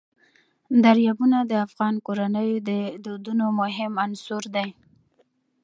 دریابونه د افغان کورنیو د دودونو مهم عنصر دی.